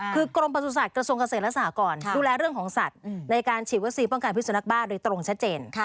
คือกรมประสุทธิ์กระทรวงเกษตรและสหกรดูแลเรื่องของสัตว์ในการฉีดวัคซีนป้องกันพิสุนักบ้าโดยตรงชัดเจน